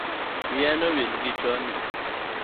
Wia nowil gochoni